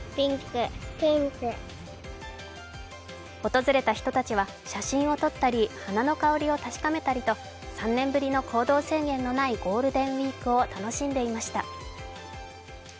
訪れた人たちは写真を撮ったり、花の香りを確かめたりと３年ぶりの行動制限のないゴールデンウイークを楽しんでいました。